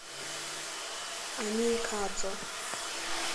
anyike atọ